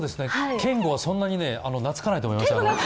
けんごはそんなになつかないと思いますよ。